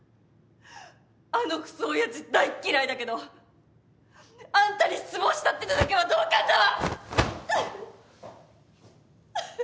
あのくそ親父大っ嫌いだけどあんたに失望したってのだけは同感だわ！